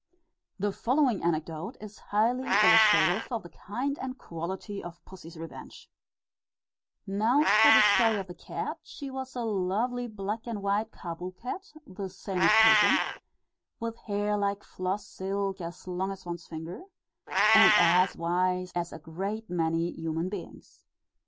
The following anecdote is highly illustrative of the kind and quantity of pussy's revenge: "Now for the story of the cat; she was a lovely black and white Kâbul cat (the same as Persian) with hair like floss silk, as long as one's finger; and as wise as a great many human beings.